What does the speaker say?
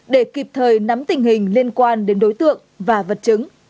để kịp thời nắm tình hình liên quan đến đối tượng và vật chứng